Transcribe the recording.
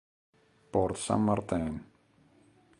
Porte Saint-Martin